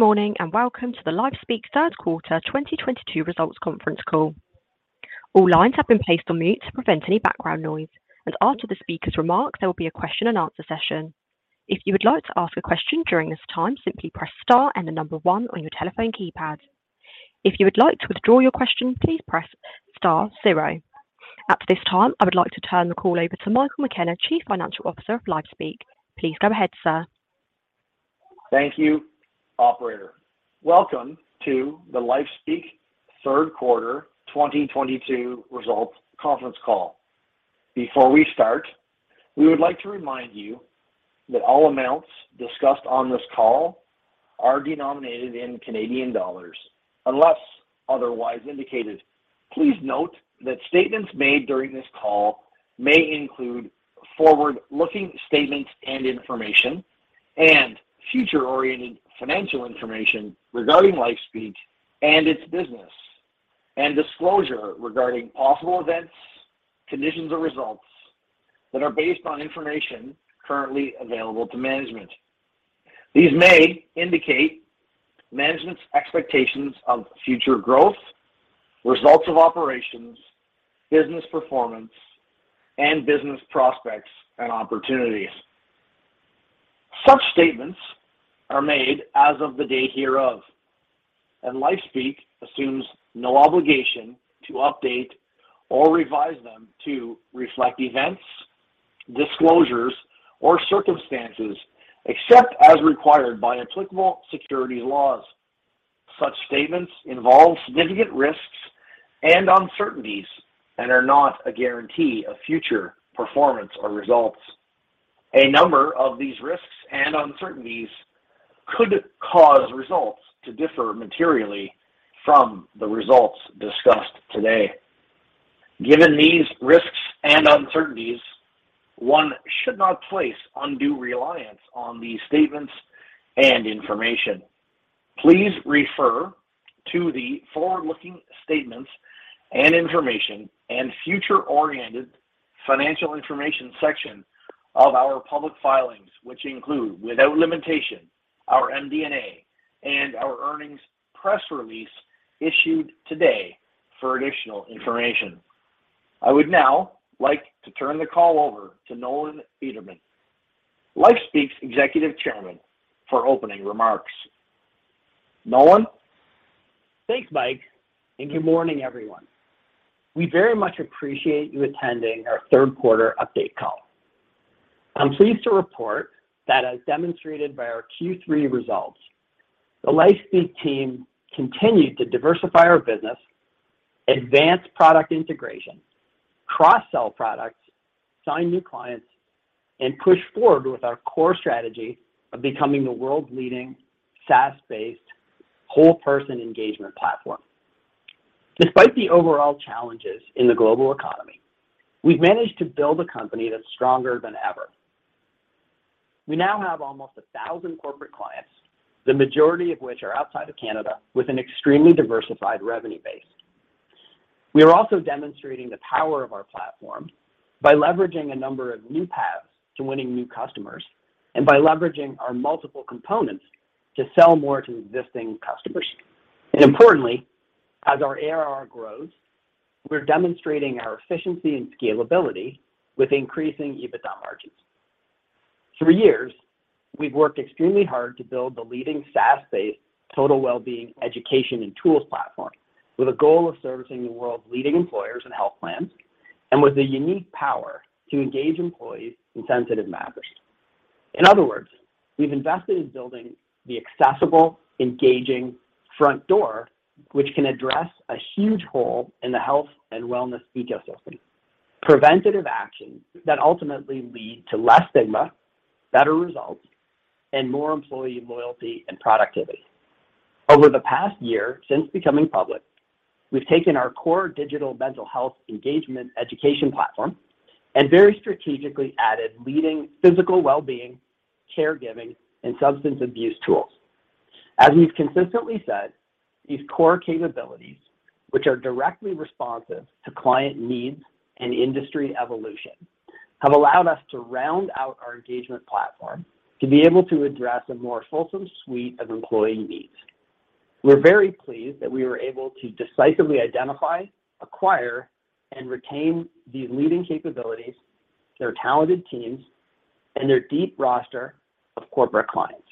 Good morning, and welcome to the LifeSpeak third quarter 2022 results conference call. All lines have been placed on mute to prevent any background noise, and after the speaker's remarks, there will be a question and answer session. If you would like to ask a question during this time, simply press star and the number one on your telephone keypad. If you would like to withdraw your question, please press star zero. At this time, I would like to turn the call over to Michael McKenna, Chief Financial Officer of LifeSpeak. Please go ahead, sir. Thank you, operator. Welcome to the LifeSpeak third quarter 2022 results conference call. Before we start, we would like to remind you that all amounts discussed on this call are denominated in Canadian dollars unless otherwise indicated. Please note that statements made during this call may include forward-looking statements and information and future-oriented financial information regarding LifeSpeak and its business and disclosure regarding possible events, conditions or results that are based on information currently available to management. These may indicate management's expectations of future growth, results of operations, business performance, and business prospects and opportunities. Such statements are made as of the date hereof, and LifeSpeak assumes no obligation to update or revise them to reflect events, disclosures, or circumstances, except as required by applicable securities laws. Such statements involve significant risks and uncertainties and are not a guarantee of future performance or results. A number of these risks and uncertainties could cause results to differ materially from the results discussed today. Given these risks and uncertainties, one should not place undue reliance on these statements and information. Please refer to the forward-looking statements and information and future-oriented financial information section of our public filings, which include, without limitation, our MD&A and our earnings press release issued today for additional information. I would now like to turn the call over to Nolan Bederman, LifeSpeak's Executive Chairman, for opening remarks. Nolan? Thanks, Mike. Good morning, everyone. We very much appreciate you attending our third quarter update call. I'm pleased to report that as demonstrated by our Q3 results, the LifeSpeak team continued to diversify our business, advance product integration, cross-sell products, sign new clients, and push forward with our core strategy of becoming the world's leading SaaS-based whole person engagement platform. Despite the overall challenges in the global economy, we've managed to build a company that's stronger than ever. We now have almost 1,000 corporate clients, the majority of which are outside of Canada, with an extremely diversified revenue base. We are also demonstrating the power of our platform by leveraging a number of new paths to winning new customers and by leveraging our multiple components to sell more to existing customers. Importantly, as our ARR grows, we're demonstrating our efficiency and scalability with increasing EBITDA margins. For years, we've worked extremely hard to build the leading SaaS-based total wellbeing education and tools platform with a goal of servicing the world's leading employers and health plans, and with the unique power to engage employees in sensitive matters. In other words, we've invested in building the accessible, engaging front door, which can address a huge hole in the health and wellness ecosystem. Preventative actions that ultimately lead to less stigma, better results, and more employee loyalty and productivity. Over the past year since becoming public, we've taken our core digital mental health engagement education platform and very strategically added leading physical wellbeing, caregiving, and substance abuse tools. As we've consistently said, these core capabilities, which are directly responsive to client needs and industry evolution, have allowed us to round out our engagement platform to be able to address a more fulsome suite of employee needs. We're very pleased that we were able to decisively identify, acquire, and retain these leading capabilities, their talented teams, and their deep roster of corporate clients.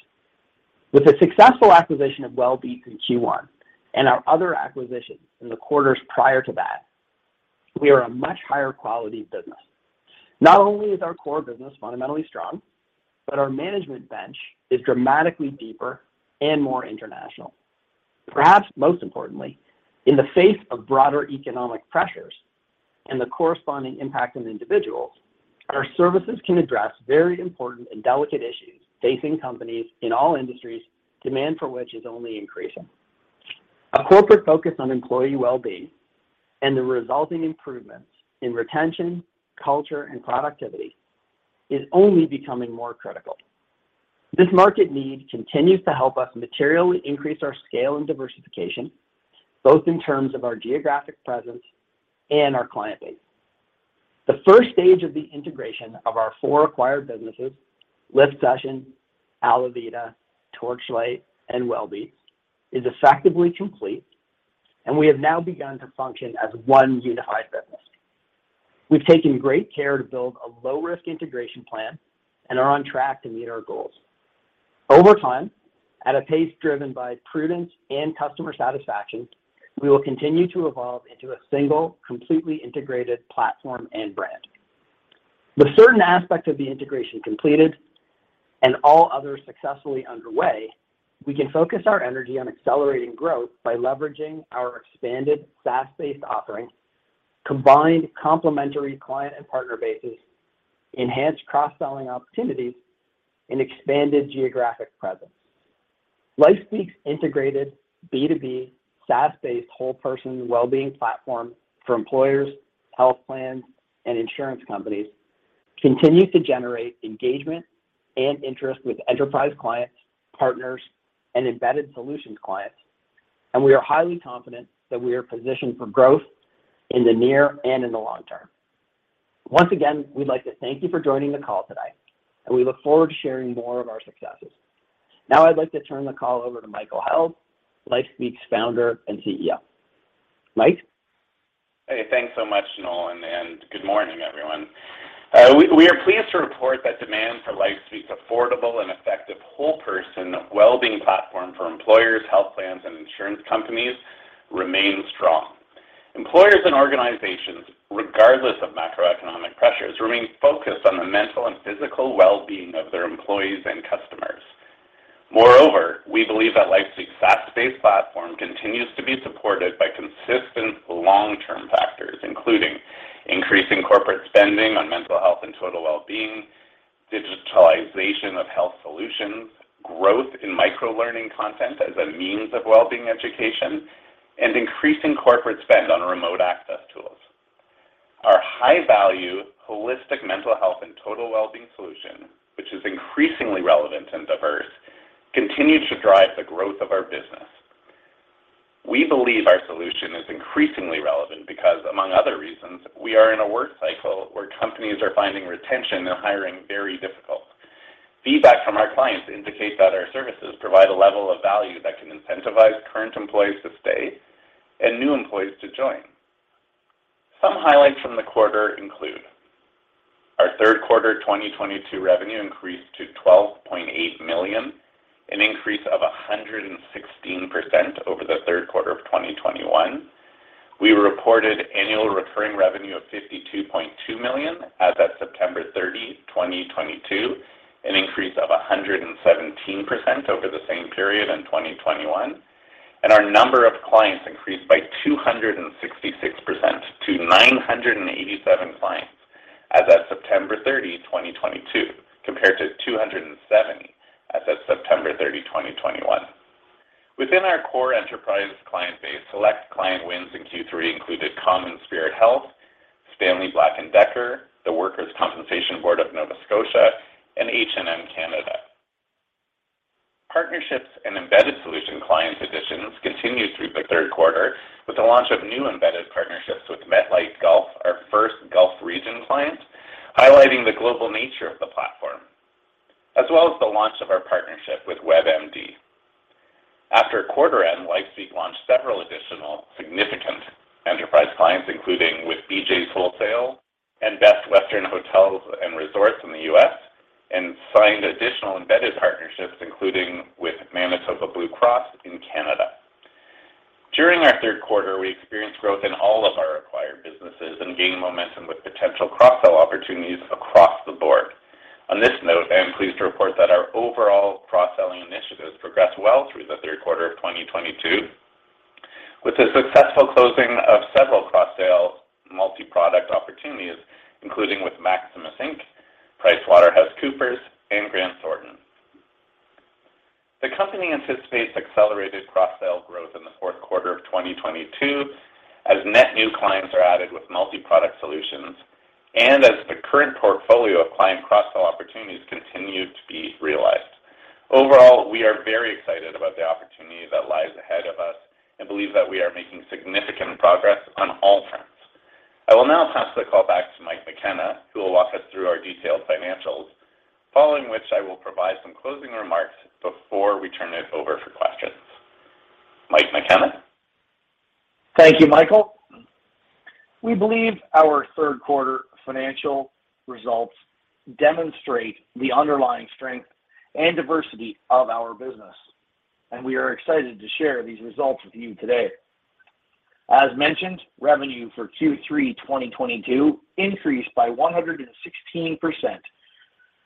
With the successful acquisition of Wellbeats in Q1 and our other acquisitions in the quarters prior to that, we are a much higher quality business. Not only is our core business fundamentally strong, but our management bench is dramatically deeper and more international. Perhaps most importantly, in the face of broader economic pressures and the corresponding impact on individuals, our services can address very important and delicate issues facing companies in all industries, demand for which is only increasing. A corporate focus on employee wellbeing and the resulting improvements in retention, culture, and productivity is only becoming more critical. This market need continues to help us materially increase our scale and diversification, both in terms of our geographic presence and our client base. The first stage of the integration of our four acquired businesses, LIFT session, ALAViDA, Torchlight, and Wellbeats, is effectively complete, and we have now begun to function as one unified business. We've taken great care to build a low-risk integration plan and are on track to meet our goals. Over time, at a pace driven by prudence and customer satisfaction, we will continue to evolve into a single, completely integrated platform and brand. With certain aspects of the integration completed and all others successfully underway, we can focus our energy on accelerating growth by leveraging our expanded SaaS-based offerings, combined complementary client and partner bases, enhanced cross-selling opportunities, and expanded geographic presence. LifeSpeak's integrated B2B, SaaS-based whole person wellbeing platform for employers, health plans, and insurance companies continue to generate engagement and interest with enterprise clients, partners, and embedded solutions clients. We are highly confident that we are positioned for growth in the near and in the long term. Once again, we'd like to thank you for joining the call today, and we look forward to sharing more of our successes. Now I'd like to turn the call over to Michael Held, LifeSpeak's founder and CEO. Mike. Hey, thanks so much, Nolan, and good morning, everyone. We are pleased to report that demand for LifeSpeak's affordable and effective whole person wellbeing platform for employers, health plans, and insurance companies remains strong. Employers and organizations, regardless of macroeconomic pressures, remain focused on the mental and physical wellbeing of their employees and customers. Moreover, we believe that LifeSpeak's SaaS-based platform continues to be supported by consistent long-term factors, including increasing corporate spending on mental health and total wellbeing, digitalization of health solutions, growth in micro-learning content as a means of wellbeing education, and increasing corporate spend on remote access tools. Our high-value holistic mental health and total wellbeing solution, which is increasingly relevant and diverse, continued to drive the growth of our business. We believe our solution is increasingly relevant because, among other reasons, we are in a work cycle where companies are finding retention and hiring very difficult. Feedback from our clients indicates that our services provide a level of value that can incentivize current employees to stay and new employees to join. Some highlights from the quarter include our third quarter 2022 revenue increased to 12.8 million, an increase of 116% over the third quarter of 2021. We reported annual recurring revenue of 52.2 million as of September 30th, 2022, an increase of 117% over the same period in 2021. Our number of clients increased by 266% to 987 clients as of September 30th, 2022, compared to 207 as of September 30th, 2021. Within our core enterprise client base, select client wins in Q3 included CommonSpirit Health, Stanley Black & Decker, the Workers' Compensation Board of Nova Scotia, and H&M Canada. Partnerships and embedded solution client additions continued through the third quarter with the launch of new embedded partnerships with MetLife Gulf, our first Gulf region client, highlighting the global nature of the platform, as well as the launch of our partnership with WebMD. After quarter end, LifeSpeak launched several additional significant enterprise clients, including with BJ's Wholesale Club and Best Western Hotels & Resorts in the U.S., and signed additional embedded partnerships, including with Manitoba Blue Cross in Canada. During our third quarter, we experienced growth in all of our acquired businesses and gained momentum with potential cross-sell opportunities across the board. On this note, I am pleased to report that our overall cross-selling initiatives progressed well through the third quarter of 2022, with the successful closing of several cross-sale multi-product opportunities, including with Maximus, Inc., PricewaterhouseCoopers, and Grant Thornton. The company anticipates accelerated cross-sale growth in the fourth quarter of 2022 as net new clients are added with multi-product solutions and as the current portfolio of client cross-sell opportunities continue to be realized. Overall, we are very excited about the opportunity that lies ahead of us and believe that we are making significant progress on all fronts. I will now pass the call back to Mike McKenna, who will walk us through our detailed financials, following which I will provide some closing remarks before we turn it over for questions. Mike McKenna. Thank you, Michael. We believe our third quarter financial results demonstrate the underlying strength and diversity of our business, and we are excited to share these results with you today. As mentioned, revenue for Q3 2022 increased by 116%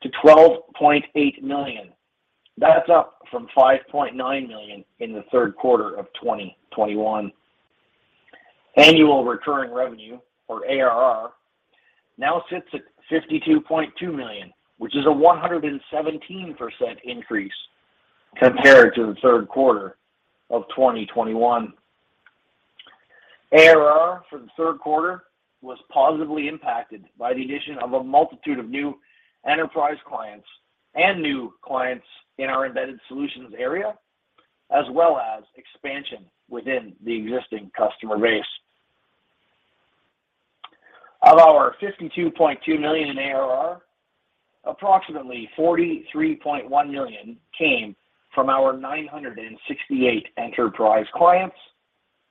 to 12.8 million. That's up from 5.9 million in the third quarter of 2021. Annual recurring revenue, or ARR, now sits at 52.2 million, which is a 117% increase compared to the third quarter of 2021. ARR for the third quarter was positively impacted by the addition of a multitude of new enterprise clients and new clients in our embedded solutions area. As well as expansion within the existing customer base. Of our 52.2 million in ARR, approximately 43.1 million came from our 968 enterprise clients,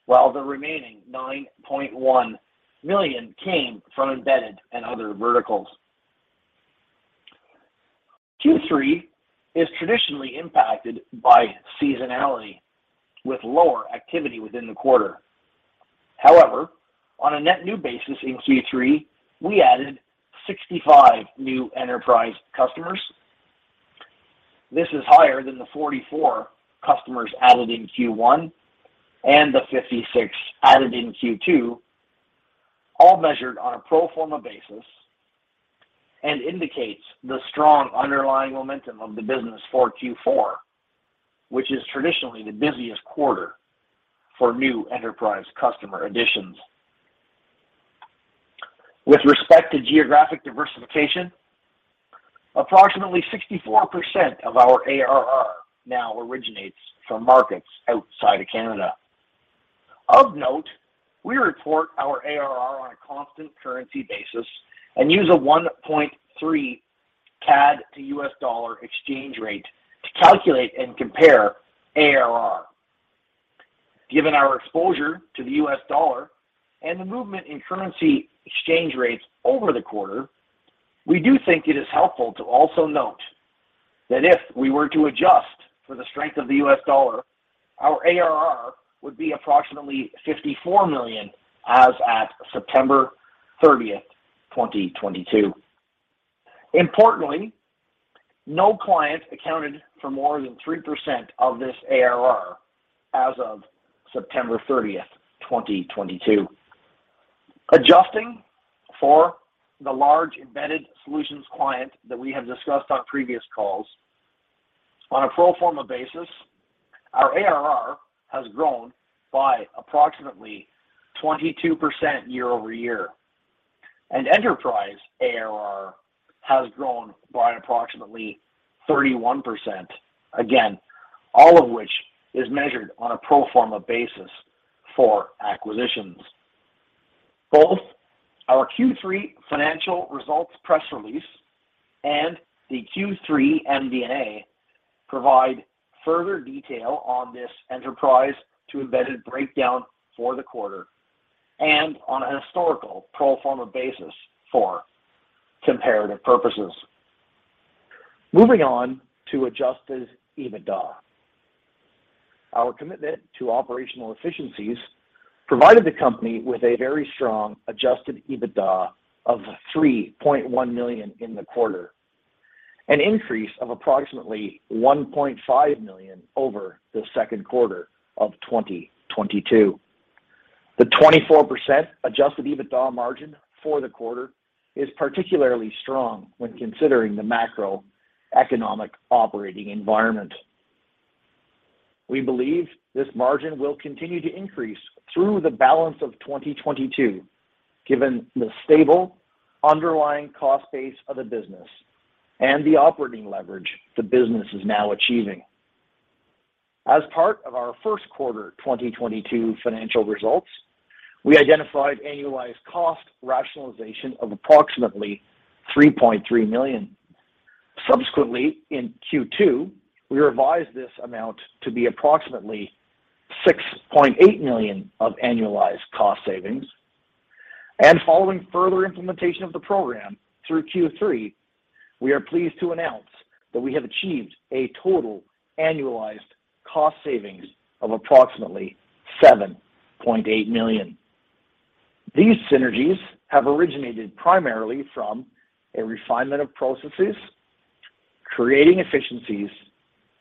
while the remaining 9.1 million came from embedded and other verticals. Q3 is traditionally impacted by seasonality, with lower activity within the quarter. However, on a net new basis in Q3, we added 65 new enterprise customers. This is higher than the 44 customers added in Q1 and the 56 added in Q2, all measured on a pro forma basis and indicates the strong underlying momentum of the business for Q4, which is traditionally the busiest quarter for new enterprise customer additions. With respect to geographic diversification, approximately 64% of our ARR now originates from markets outside of Canada. Of note, we report our ARR on a constant currency basis and use a 1.3 CAD to U.S. dollar exchange rate to calculate and compare ARR. Given our exposure to the US dollar and the movement in currency exchange rates over the quarter, we do think it is helpful to also note that if we were to adjust for the strength of the U.S. dollar, our ARR would be approximately 54 million as at September 30th, 2022. Importantly, no client accounted for more than 3% of this ARR as of September 30th, 2022. Adjusting for the large, embedded solutions client that we have discussed on previous calls, on a pro forma basis, our ARR has grown by approximately 22% year-over-year. Enterprise ARR has grown by approximately 31%, again, all of which is measured on a pro forma basis for acquisitions. Both our Q3 financial results press release and the Q3 MD&A provide further detail on this enterprise to embedded breakdown for the quarter and on a historical pro forma basis for comparative purposes. Moving on to adjusted EBITDA. Our commitment to operational efficiencies provided the company with a very strong adjusted EBITDA of 3.1 million in the quarter, an increase of approximately 1.5 million over the second quarter of 2022. The 24% adjusted EBITDA margin for the quarter is particularly strong when considering the macroeconomic operating environment. We believe this margin will continue to increase through the balance of 2022, given the stable underlying cost base of the business and the operating leverage the business is now achieving. As part of our first quarter 2022 financial results, we identified annualized cost rationalization of approximately 3.3 million. Subsequently, in Q2, we revised this amount to be approximately 6.8 million of annualized cost savings. Following further implementation of the program through Q3, we are pleased to announce that we have achieved a total annualized cost savings of approximately 7.8 million. These synergies have originated primarily from a refinement of processes, creating efficiencies,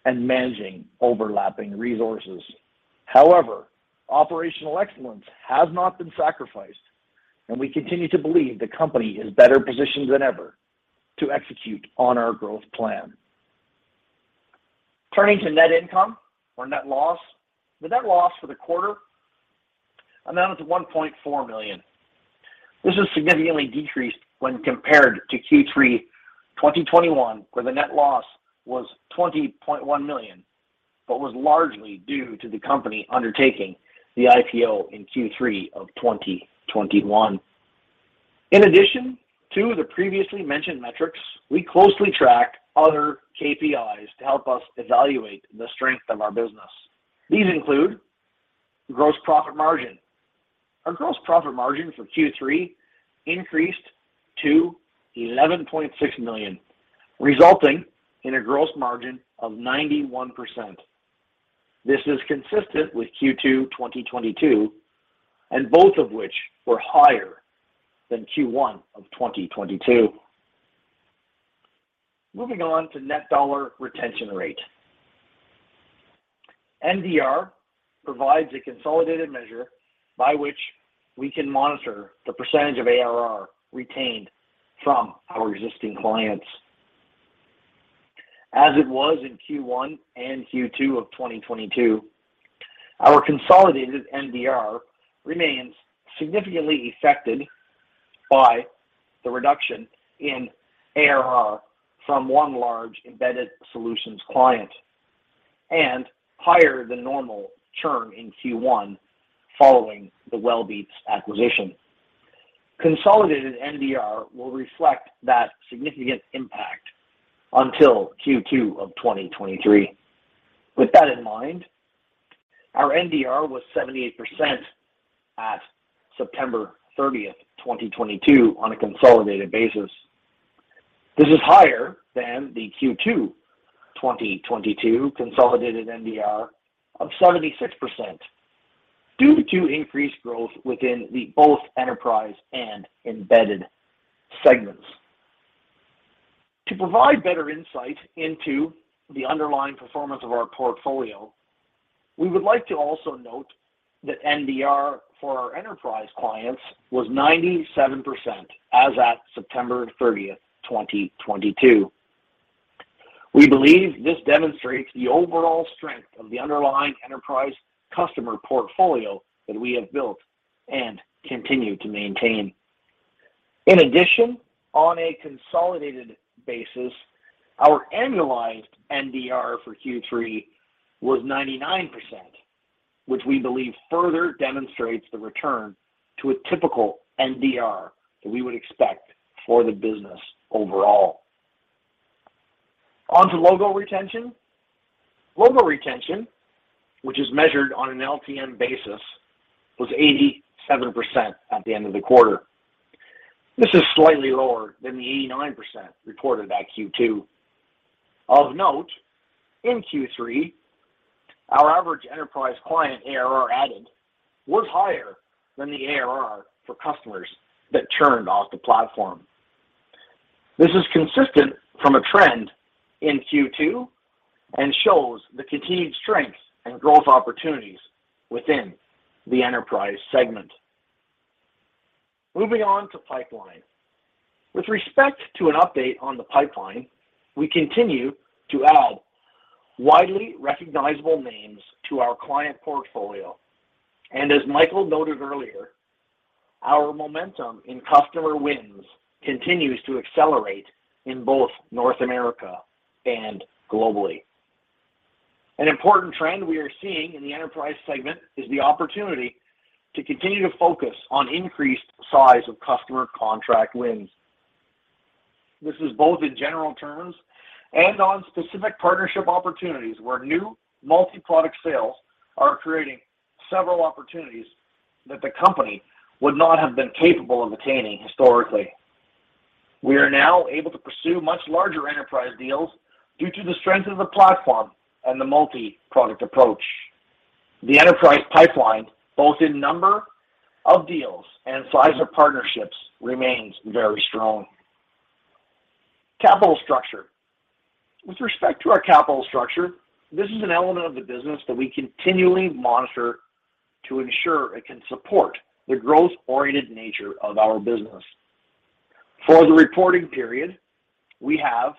and managing overlapping resources. However, operational excellence has not been sacrificed, and we continue to believe the company is better positioned than ever to execute on our growth plan. Turning to net income or net loss. The net loss for the quarter amounted to 1.4 million. This is significantly decreased when compared to Q3 2021, where the net loss was 20.1 million, but was largely due to the company undertaking the IPO in Q3 of 2021. In addition to the previously mentioned metrics, we closely track other KPIs to help us evaluate the strength of our business. These include gross profit margin. Our gross profit margin for Q3 increased to 11.6 million, resulting in a gross margin of 91%. This is consistent with Q2 2022, and both of which were higher than Q1 of 2022. Moving on to net dollar retention rate. NDR provides a consolidated measure by which we can monitor the percentage of ARR retained from our existing clients. As it was in Q1 and Q2 of 2022. Our consolidated NDR remains significantly affected by the reduction in ARR from one large Embedded Solutions client and higher than normal churn in Q1 following the Wellbeats acquisition. Consolidated NDR will reflect that significant impact until Q2 of 2023. With that in mind, our NDR was 78% at September 30th, 2022 on a consolidated basis. This is higher than the Q2 2022 consolidated NDR of 76% due to increased growth within both the enterprise and embedded segments. To provide better insight into the underlying performance of our portfolio, we would like to also note that NDR for our enterprise clients was 97% as at September 30th, 2022. We believe this demonstrates the overall strength of the underlying enterprise customer portfolio that we have built and continue to maintain. In addition, on a consolidated basis, our annualized NDR for Q3 was 99%, which we believe further demonstrates the return to a typical NDR that we would expect for the business overall. On to logo retention. Logo retention, which is measured on an LTM basis, was 87% at the end of the quarter. This is slightly lower than the 89% reported at Q2. Of note, in Q3, our average enterprise client ARR added was higher than the ARR for customers that churned off the platform. This is consistent from a trend in Q2 and shows the continued strength and growth opportunities within the enterprise segment. Moving on to pipeline. With respect to an update on the pipeline, we continue to add widely recognizable names to our client portfolio. As Michael noted earlier, our momentum in customer wins continues to accelerate in both North America and globally. An important trend we are seeing in the enterprise segment is the opportunity to continue to focus on increased size of customer contract wins. This is both in general terms and on specific partnership opportunities where new multi-product sales are creating several opportunities that the company would not have been capable of attaining historically. We are now able to pursue much larger enterprise deals due to the strength of the platform and the multi-product approach. The enterprise pipeline, both in number of deals and size of partnerships, remains very strong. Capital structure. With respect to our capital structure, this is an element of the business that we continually monitor to ensure it can support the growth-oriented nature of our business. For the reporting period, we have,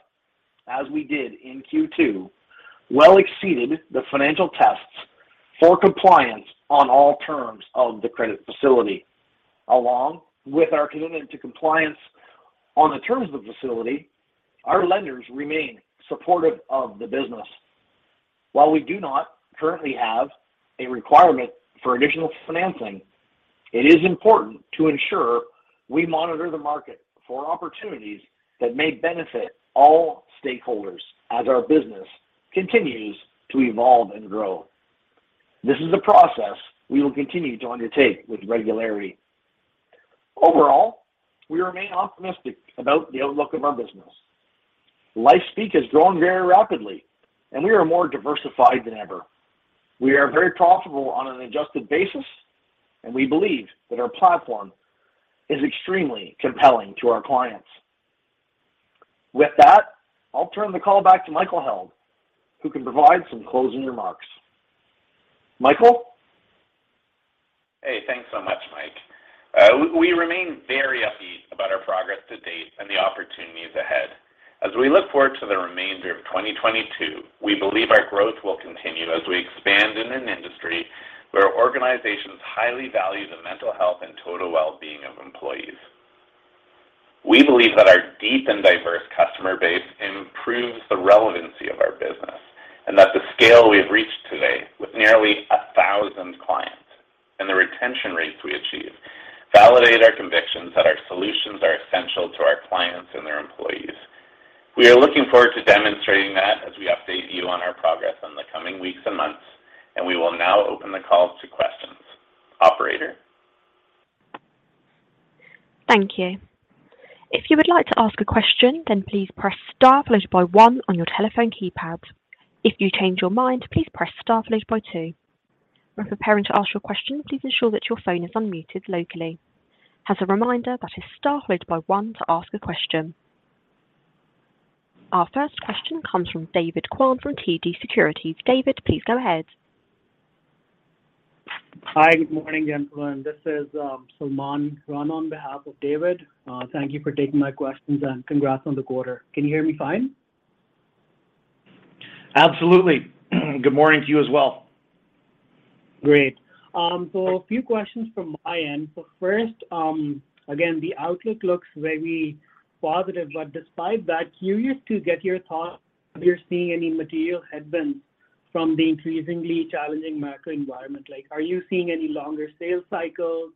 as we did in Q2, well exceeded the financial tests for compliance on all terms of the credit facility. Along with our commitment to compliance on the terms of the facility, our lenders remain supportive of the business. While we do not currently have a requirement for additional financing, it is important to ensure we monitor the market for opportunities that may benefit all stakeholders as our business continues to evolve and grow. This is a process we will continue to undertake with regularity. Overall, we remain optimistic about the outlook of our business. LifeSpeak has grown very rapidly, and we are more diversified than ever. We are very profitable on an adjusted basis, and we believe that our platform is extremely compelling to our clients. With that, I'll turn the call back to Michael Held, who can provide some closing remarks. Michael? Hey, thanks so much, Mike. We remain very upbeat about our progress to date and the opportunities ahead. As we look forward to the remainder of 2022, we believe our growth will continue as we expand in an industry where organizations highly value the mental health and total well-being of employees. We believe that our deep and diverse customer base improves the relevancy of our business and that the scale we've reached today with nearly 1,000 clients and the retention rates we achieve validate our convictions that our solutions are essential to our clients and their employees. We are looking forward to demonstrating that as we update you on our progress in the coming weeks and months, and we will now open the call to questions. Operator? Thank you. If you would like to ask a question, then please press star followed by one on your telephone keypad. If you change your mind, please press star followed by two. When preparing to ask your question, please ensure that your phone is unmuted locally. As a reminder, that is star followed by one to ask a question. Our first question comes from David Kwan from TD Securities. David, please go ahead. Hi, good morning, gentlemen. This is Salman Rana on behalf of David. Thank you for taking my questions, and congrats on the quarter. Can you hear me fine? Absolutely. Good morning to you as well. Great. A few questions from my end. First, again, the outlook looks very positive, but despite that, curious to get your thoughts if you're seeing any material headwind from the increasingly challenging macro environment. Like, are you seeing any longer sales cycles?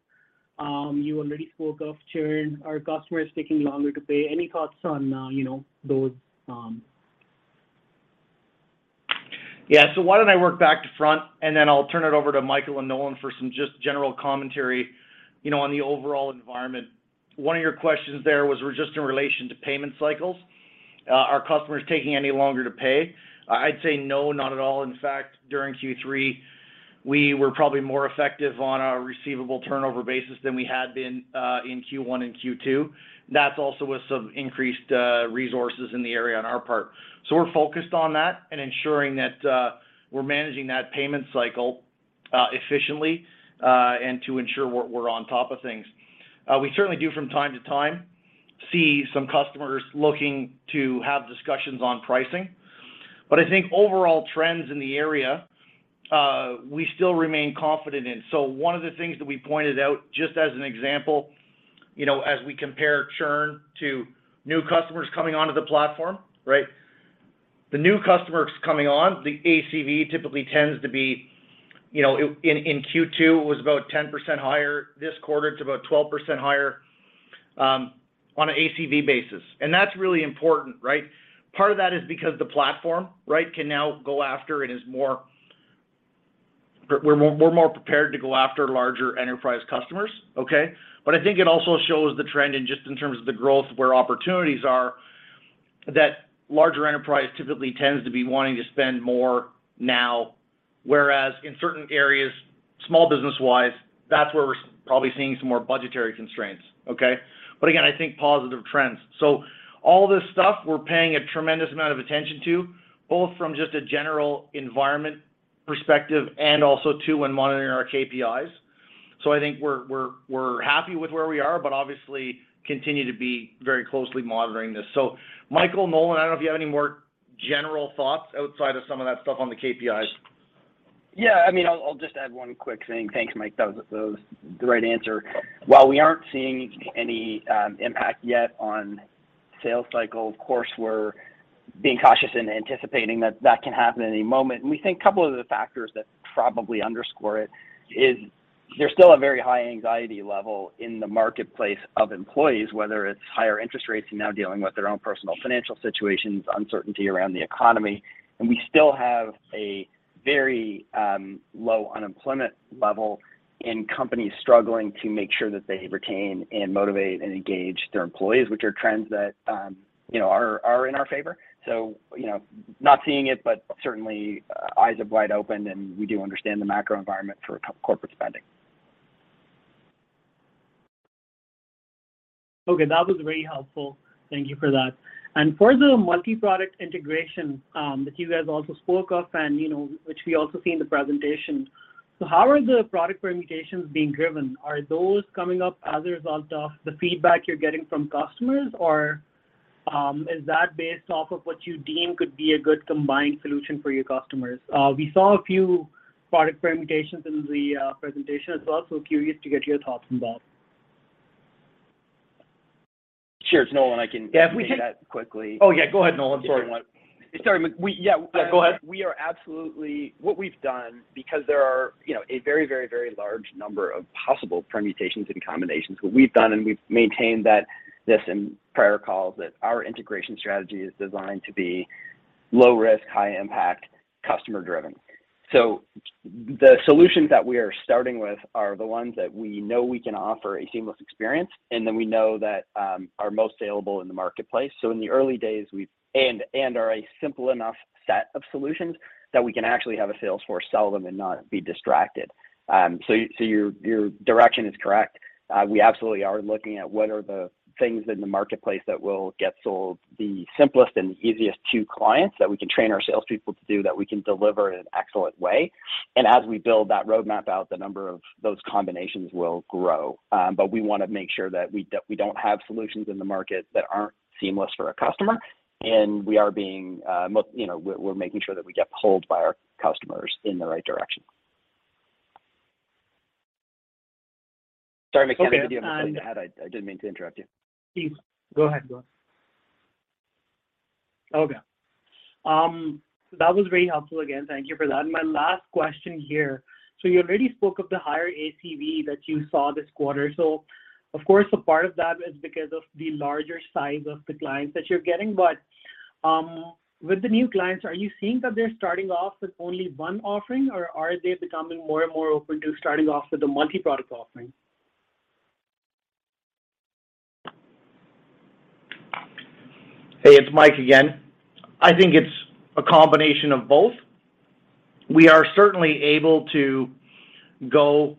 You already spoke of churn. Are customers taking longer to pay? Any thoughts on, you know, those? Yeah. Why don't I work back to front, and then I'll turn it over to Michael and Nolan for some just general commentary, you know, on the overall environment. One of your questions there was just in relation to payment cycles. Are customers taking any longer to pay? I'd say no, not at all. In fact, during Q3, we were probably more effective on our receivable turnover basis than we had been in Q1 and Q2. That's also with some increased resources in the area on our part. We're focused on that and ensuring that we're managing that payment cycle efficiently, and to ensure we're on top of things. We certainly do from time to time see some customers looking to have discussions on pricing. I think overall trends in the area, we still remain confident in. One of the things that we pointed out, just as an example, you know, as we compare churn to new customers coming onto the platform, right? The new customers coming on, the ACV typically tends to be, you know, in Q2, it was about 10% higher. This quarter, it's about 12% higher on an ACV basis, and that's really important, right? Part of that is because the platform, right, can now go after and we're more prepared to go after larger enterprise customers. Okay? I think it also shows the trend in terms of the growth of where opportunities are, that larger enterprise typically tends to be wanting to spend more now, whereas in certain areas, small business-wise, that's where we're probably seeing some more budgetary constraints. Okay? Again, I think positive trends. All this stuff we're paying a tremendous amount of attention to, both from just a general environment perspective and also too when monitoring our KPIs. I think we're happy with where we are, but obviously continue to be very closely monitoring this. Michael, Nolan, I don't know if you have any more general thoughts outside of some of that stuff on the KPIs. Yeah. I mean, I'll just add one quick saying thanks, Mike. That was the right answer. While we aren't seeing any impact yet on sales cycle, of course, we're being cautious in anticipating that can happen any moment. We think a couple of the factors that probably underscore it is there's still a very high anxiety level in the marketplace of employees, whether it's higher interest rates and now dealing with their own personal financial situations, uncertainty around the economy. We still have a very low unemployment level and companies struggling to make sure that they retain and motivate and engage their employees, which are trends that you know are in our favor. You know, not seeing it, but certainly eyes are wide open, and we do understand the macro environment for corporate spending. Okay, that was very helpful. Thank you for that. For the multi-product integration that you guys also spoke of and, you know, which we also see in the presentation, so how are the product permutations being driven? Are those coming up as a result of the feedback you're getting from customers, or is that based off of what you deem could be a good, combined solution for your customers? We saw a few product permutations in the presentation as well, so curious to get your thoughts on that. Sure. Nolan, I can- Yeah, if we can Take that quickly. Oh, yeah. Go ahead, Nolan. Sorry. Sorry, Mike, we, yeah. Go ahead. What we've done, because there are, you know, a very large number of possible permutations and combinations, what we've done, and we've maintained that this in prior calls, that our integration strategy is designed to be low risk, high impact, customer driven. The solutions that we are starting with are the ones that we know we can offer a seamless experience, and then we know that are most saleable in the marketplace. In the early days, we are a simple enough set of solutions that we can actually have a sales force sell them and not be distracted. So, your direction is correct. We absolutely are looking at what are the things in the marketplace that will get sold the simplest and the easiest to clients that we can train our salespeople to do, that we can deliver in an excellent way. As we build that roadmap out, the number of those combinations will grow. We wanna make sure that we don't have solutions in the market that aren't seamless for a customer, and we are being, you know, we're making sure that we get pulled by our customers in the right direction. Sorry, Mike. If there's anything to add, I didn't mean to interrupt you. Please, go ahead, Nolan. Okay. That was very helpful. Again, thank you for that. My last question here. You already spoke of the higher ACV that you saw this quarter. Of course, a part of that is because of the larger size of the clients that you're getting. With the new clients, are you seeing that they're starting off with only one offering, or are they becoming more and more open to starting off with a multi-product offering? Hey, it's Mike again. I think it's a combination of both. We are certainly able to go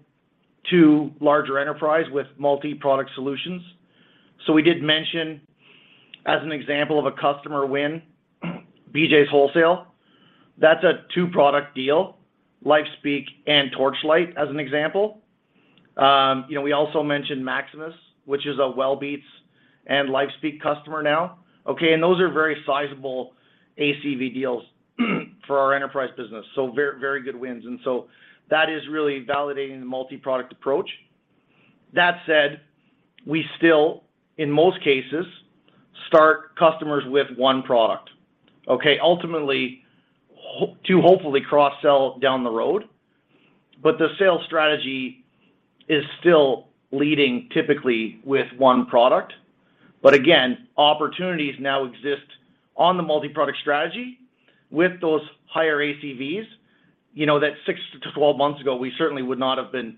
to larger enterprise with multi-product solutions. We did mention as an example of a customer win, BJ's Wholesale Club. That's a two-product deal, LifeSpeak and Torchlight, as an example. You know, we also mentioned Maximus, which is a Wellbeats and LifeSpeak customer now, okay? Those are very sizable ACV deals for our enterprise business, so very good wins. That is really validating the multi-product approach. That said, we still, in most cases, start customers with one product, okay? Ultimately, to hopefully cross-sell down the road. The sales strategy is still leading typically with one product. Again, opportunities now exist on the multi-product strategy with those higher ACVs, you know, that six-12 months ago, we certainly would not have been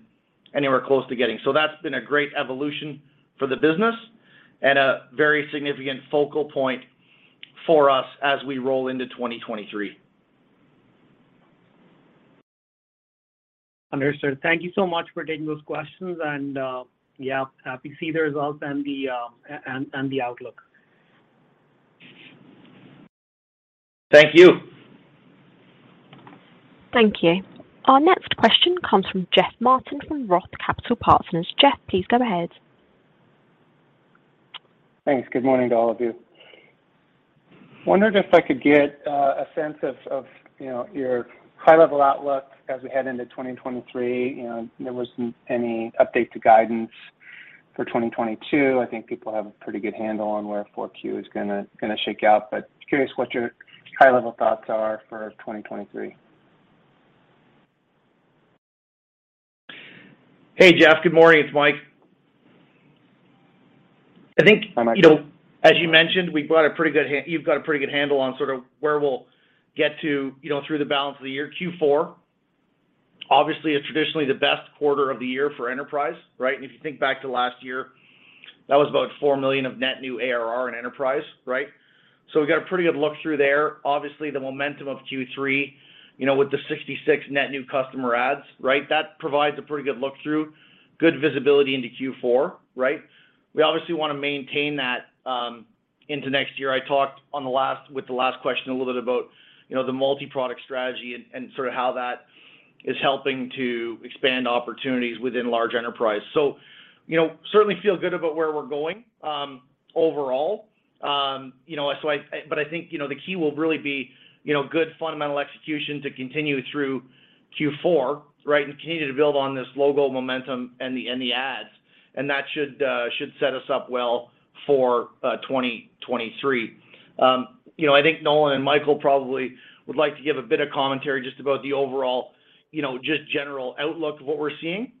anywhere close to getting. That's been a great evolution for the business and a very significant focal point for us as we roll into 2023. Understood. Thank you so much for taking those questions. Yeah, happy to see the results and the outlook. Thank you. Thank you. Our next question comes from Jeff Martin from Roth Capital Partners. Jeff, please go ahead. Thanks. Good morning to all of you. Wondered if I could get a sense of, you know, your high-level outlook as we head into 2023. You know, there wasn't any update to guidance for 2022. I think people have a pretty good handle on where 4Q is gonna shake out. Curious what your high-level thoughts are for 2023. Hey, Jeff. Good morning. It's Mike. I think. Hi, Mike. How are you? You know, as you mentioned, you've got a pretty good handle on sort of where we'll get to, you know, through the balance of the year. Q4, obviously, is traditionally the best quarter of the year for enterprise, right? If you think back to last year, that was about 4 million of net new ARR in enterprise, right? We've got a pretty good look-through there. Obviously, the momentum of Q3, you know, with the 66 net new customer adds, right? That provides a pretty good look-through, good visibility into Q4, right? We obviously wanna maintain that into next year. I talked with the last question a little bit about, you know, the multi-product strategy and sort of how that is helping to expand opportunities within large enterprise. You know, certainly feel good about where we're going, overall. I think, you know, the key will really be, you know, good fundamental execution to continue through Q4, right? Continue to build on this logo momentum and the adds, and that should set us up well for 2023. You know, I think Nolan and Michael probably would like to give a bit of commentary just about the overall, you know, just general outlook of what we're seeing,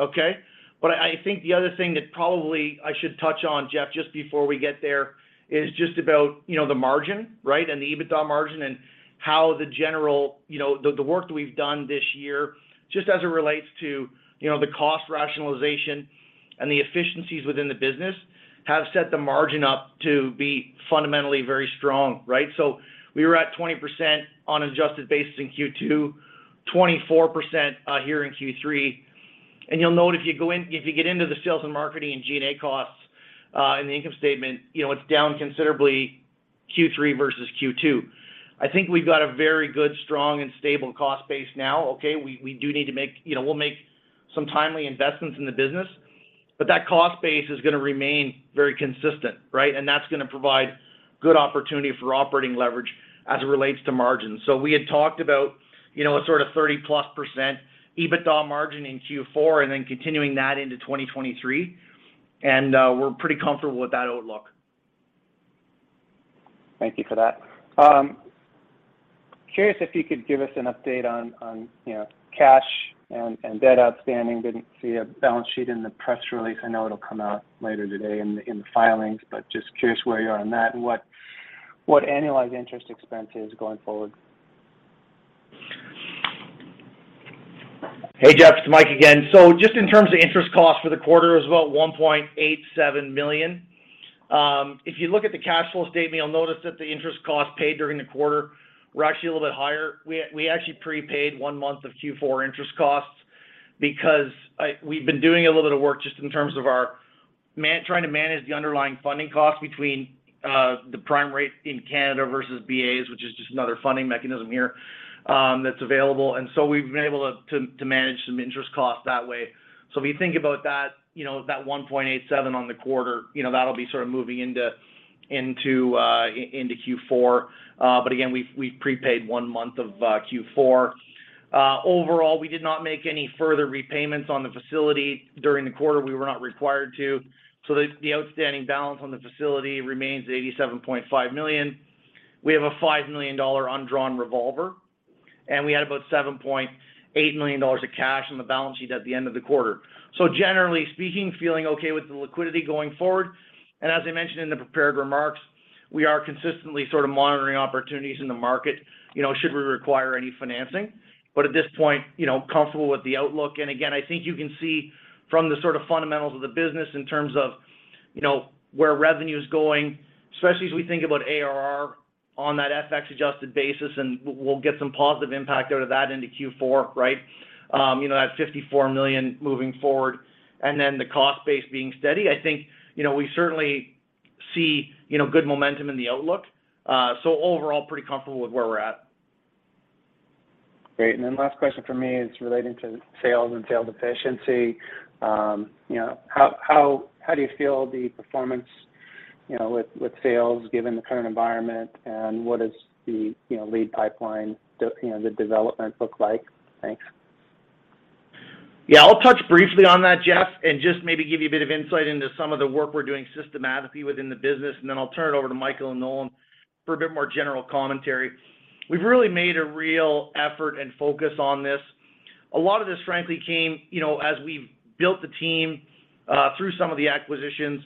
okay? I think the other thing that probably I should touch on, Jeff, just before we get there, is just about, you know, the margin, right? The EBITDA margin and how the general, you know, the work that we've done this year, just as it relates to, you know, the cost rationalization and the efficiencies within the business, have set the margin up to be fundamentally very strong, right? So, we were at 20% on adjusted basis in Q2, 24%, here in Q3. You'll note if you get into the sales and marketing and G&A costs, in the income statement, you know, it's down considerably Q3 versus Q2. I think we've got a very good, strong, and stable cost base now, okay? We do need to make some timely investments in the business, you know, but that cost base is gonna remain very consistent, right? That's gonna provide good opportunity for operating leverage as it relates to margin. We had talked about, you know, a sort of 30%+ EBITDA margin in Q4 and then continuing that into 2023, and we're pretty comfortable with that outlook. Thank you for that. Curious if you could give us an update on, you know, cash and debt outstanding. Didn't see a balance sheet in the press release. I know it'll come out later today in the filings, but just curious where you are on that and what annualized interest expense is going forward. Hey, Jeff, it's Mike again. So just in terms of interest costs for the quarter, it was about 1.87 million. If you look at the cash flow statement, you'll notice that the interest costs paid during the quarter were actually a little bit higher. We actually prepaid one month of Q4 interest costs because we've been doing a little bit of work just in terms of trying to manage the underlying funding costs between the prime rate in Canada versus BAs, which is just another funding mechanism here that's available. We've been able to manage some interest costs that way. If you think about that, you know, that 1.87 million on the quarter, you know, that'll be sort of moving into Q4. We've prepaid one month of Q4. Overall, we did not make any further repayments on the facility during the quarter. We were not required to. The outstanding balance on the facility remains at 87.5 million. We have a 5 million dollar undrawn revolver, and we had about 7.8 million dollars of cash on the balance sheet at the end of the quarter. Generally speaking, feeling okay with the liquidity going forward. As I mentioned in the prepared remarks, we are consistently sort of monitoring opportunities in the market, you know, should we require any financing. At this point, you know, comfortable with the outlook. I think you can see from the sort of fundamentals of the business in terms of, you know, where revenue's going, especially as we think about ARR on that FX-adjusted basis, and we'll get some positive impact out of that into Q4, right? You know, that 54 million moving forward and then the cost base being steady. I think, you know, we certainly see, you know, good momentum in the outlook. Overall, pretty comfortable with where we're at. Great. Last question for me is relating to sales and sales efficiency. You know, how do you feel the performance, you know, with sales given the current environment, and what is the, you know, lead pipeline, the, you know, the development look like? Thanks. Yeah. I'll touch briefly on that, Jeff, and just maybe give you a bit of insight into some of the work we're doing systematically within the business, and then I'll turn it over to Michael and Nolan for a bit more general commentary. We've really made a real effort and focus on this. A lot of this, frankly, came, you know, as we built the team, through some of the acquisitions.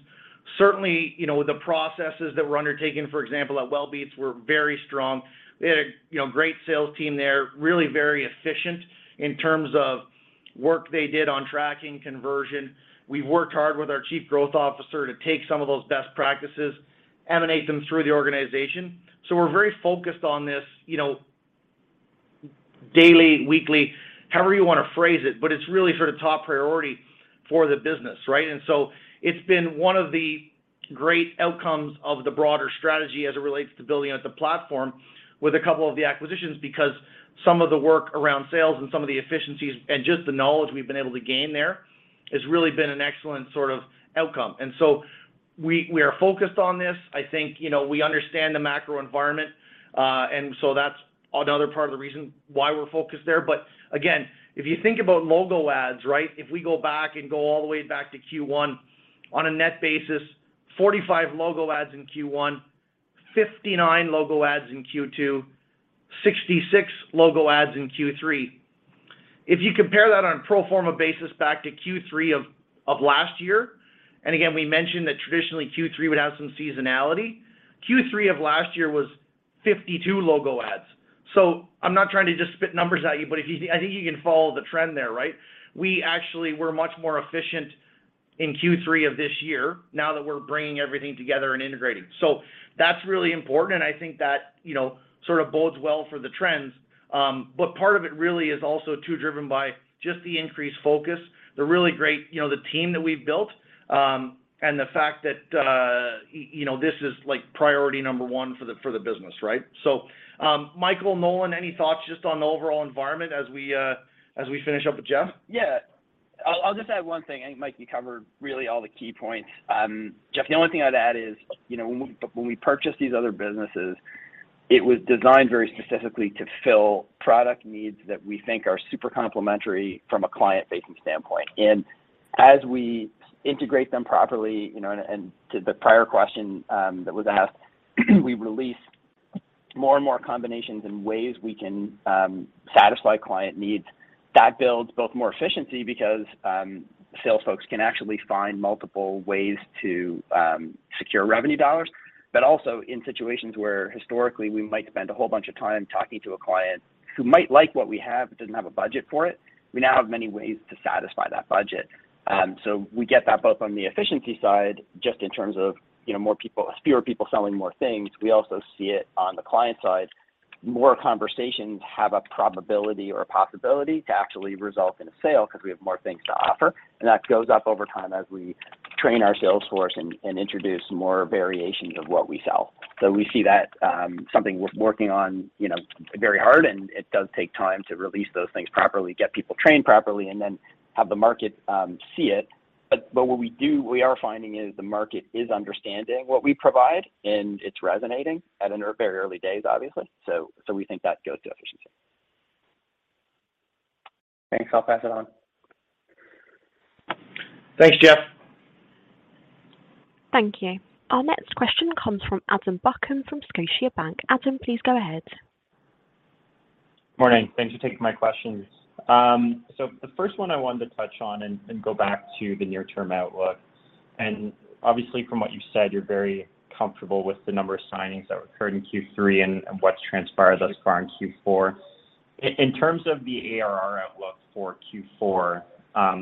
Certainly, you know, the processes that were undertaken, for example, at Wellbeats were very strong. They had a, you know, great sales team there, really very efficient in terms of work they did on tracking conversion. We worked hard with our chief growth officer to take some of those best practices, implement them through the organization. We're very focused on this, you know, daily, weekly, however you wanna phrase it, but it's really sort of top priority for the business, right? It's been one of the great outcomes of the broader strategy as it relates to building out the platform with a couple of the acquisitions because some of the work around sales and some of the efficiencies and just the knowledge we've been able to gain there has really been an excellent sort of outcome. We are focused on this. I think, you know, we understand the macro environment, and that's another part of the reason why we're focused there. But again, if you think about logo adds, right? If we go back and go all the way back to Q1, on a net basis, 45 logo adds in Q1, 59 logo adds in Q2, 66 logo adds in Q3. If you compare that on a pro forma basis back to Q3 of last year, and again, we mentioned that traditionally Q3 would have some seasonality, Q3 of last year was 52 logo adds. I'm not trying to just spit numbers at you, but if you I think you can follow the trend there, right? We actually were much more efficient in Q3 of this year now that we're bringing everything together and integrating. That's really important, and I think that, you know, sort of bodes well for the trends. Part of it really is also too driven by just the increased focus, the really great, you know, the team that we've built, and the fact that you know, this is, like, priority number one for the business, right? Michael, Nolan, any thoughts just on the overall environment as we finish up with Jeff? Yeah. I'll just add one thing. I think, Mike, you covered really all the key points. Jeff, the only thing I'd add is, you know, when we purchased these other businesses, it was designed very specifically to fill product needs that we think are super complementary from a client-facing standpoint. As we integrate them properly, you know, and to the prior question that was asked, we release more and more combinations and ways we can satisfy client needs. That builds both more efficiency because sales folks can actually find multiple ways to secure revenue dollars. Also in situations where historically we might spend a whole bunch of time talking to a client who might like what we have but doesn't have a budget for it, we now have many ways to satisfy that budget. We get that both on the efficiency side, just in terms of, you know, fewer people selling more things. We also see it on the client side. More conversations have a probability or a possibility to actually result in a sale because we have more things to offer, and that goes up over time as we train our sales force and introduce more variations of what we sell. We see that, something worth working on, you know, very hard, and it does take time to release those things properly, get people trained properly, and then have the market see it. What we are finding is the market is understanding what we provide, and it's resonating. In very early days, obviously. We think that goes to efficiency. Thanks. I'll pass it on. Thanks, Jeff. Thank you. Our next question comes from Adam Buckham from Scotiabank. Adam, please go ahead. Morning. Thanks for taking my questions. So the first one I wanted to touch on and go back to the near-term outlook. Obviously from what you said, you're very comfortable with the number of signings that occurred in Q3 and what's transpired thus far in Q4. In terms of the ARR outlook for Q4,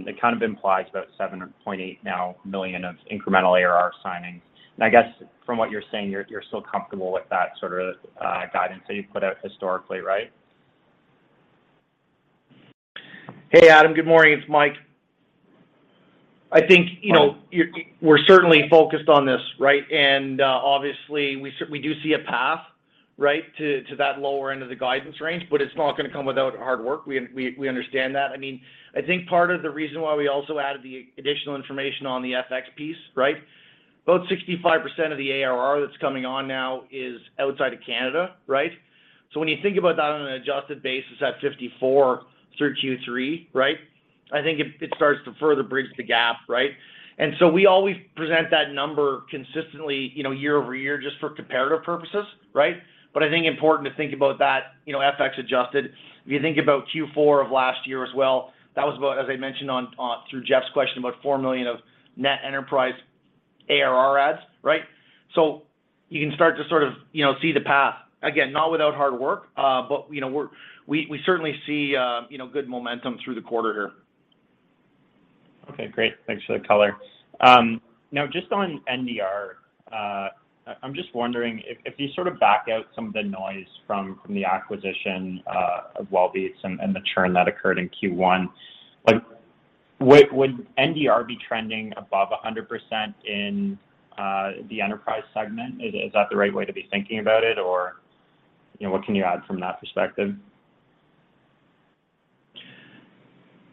it kind of implies about 7.8 million of incremental ARR signings. I guess from what you're saying, you're still comfortable with that sort of guidance that you've put out historically, right? Hey, Adam. Good morning. It's Mike. I think we're certainly focused on this, right? Obviously we do see a path, right, to that lower end of the guidance range, but it's not gonna come without hard work. We understand that. I mean, I think part of the reason why we also added the additional information on the FX piece, right? About 65% of the ARR that's coming on now is outside of Canada, right? So when you think about that on an adjusted basis, that 54 through Q3, right? I think it starts to further bridge the gap, right? We always present that number consistently, you know, year-over-year just for comparative purposes, right? I think important to think about that, you know, FX adjusted. If you think about Q4 of last year as well, that was about, as I mentioned through Jeff's question, about 4 million of net enterprise ARR adds, right? You can start to sort of, you know, see the path. Again, not without hard work, but you know, we certainly see, you know, good momentum through the quarter here. Okay, great. Thanks for the color. Now just on NDR, I'm just wondering if you sort of back out some of the noise from the acquisition of Wellbeats and the churn that occurred in Q1, would NDR be trending above 100% in the enterprise segment? Is that the right way to be thinking about it? Or, you know, what can you add from that perspective?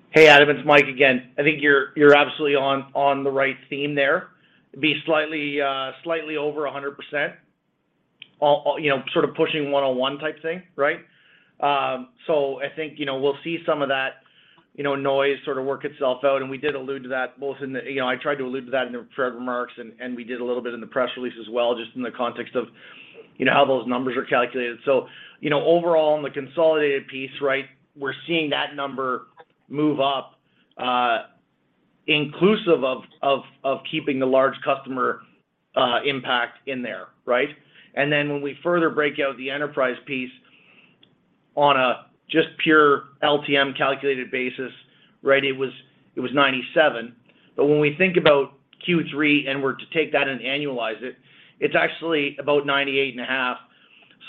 Hey, Adam, it's Mike again. I think you're absolutely on the right theme there. It'd be slightly over 100%. You know, sort of pushing 101% type thing, right? I think, you know, we'll see some of that, you know, noise sort of work itself out, and we did allude to that. You know, I tried to allude to that in the prepared remarks, and we did a little bit in the press release as well, just in the context of, you know, how those numbers are calculated. You know, overall, in the consolidated piece, right, we're seeing that number move up, inclusive of keeping the large customer impact in there, right? When we further break out the enterprise piece on a just pure LTM calculated basis, right, it was 97%. When we think about Q3 and we're to take that and annualize it's actually about 98.5%.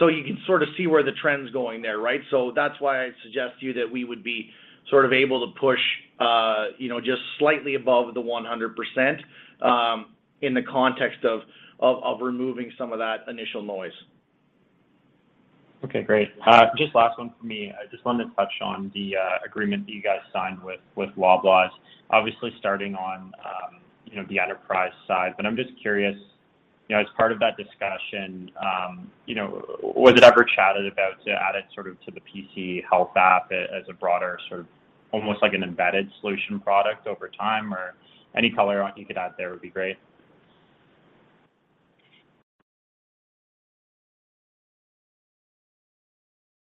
You can sort of see where the trend's going there, right? That's why I suggest to you that we would be sort of able to push, you know, just slightly above the 100%, in the context of removing some of that initial noise. Okay, great. Just last one from me. I just wanted to touch on the agreement that you guys signed with Loblaws. Obviously starting on, you know, the enterprise side, but I'm just curious, you know, as part of that discussion, you know, was it ever chatted about to add it sort of to the PC Health app as a broader sort of almost like an embedded solution product over time? Or any color you could add there would be great.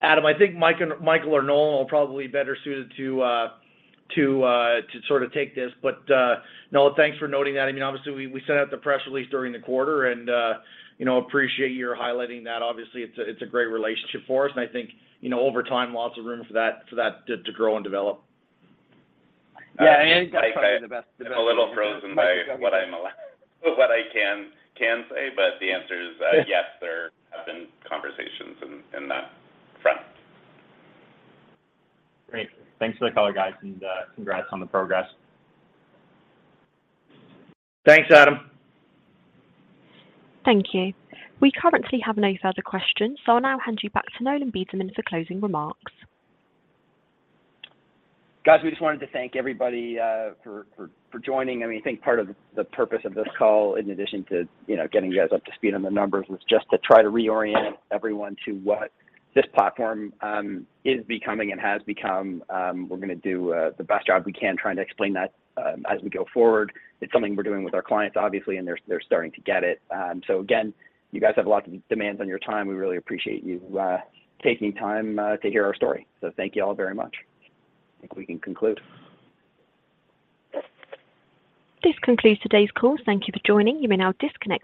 Adam, I think Mike or Michael or Nolan will probably be better suited to sort of take this. Nolan, thanks for noting that. I mean, obviously we sent out the press release during the quarter and you know, appreciate your highlighting that. Obviously, it's a great relationship for us and I think you know, over time, lots of room for that to grow and develop. Yeah, probably the best. I'm a little frozen by what I can say, but the answer is, yes, there have been conversations in that front. Great. Thanks for the color, guys, and congrats on the progress. Thanks, Adam. Thank you. We currently have no further questions, so I'll now hand you back to Nolan Bederman for closing remarks. Guys, we just wanted to thank everybody for joining. I mean, I think part of the purpose of this call, in addition to you know, getting you guys up to speed on the numbers, was just to try to reorient everyone to what this platform is becoming and has become. We're gonna do the best job we can trying to explain that as we go forward. It's something we're doing with our clients, obviously, and they're starting to get it. Again, you guys have a lot of demands on your time. We really appreciate you taking time to hear our story. Thank you all very much. I think we can conclude. This concludes today's call. Thank you for joining. You may now disconnect your-